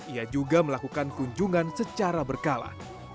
ia juga melakukan kunjungan secara berkala